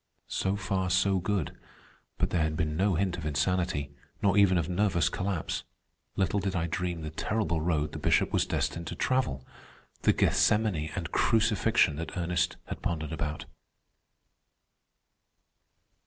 So far so good, but there had been no hint of insanity, nor even of nervous collapse. Little did I dream the terrible road the Bishop was destined to travel—the Gethsemane and crucifixion that Ernest had pondered about.